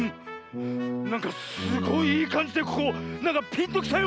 なんかすごいいいかんじでここなんかピンときたよ！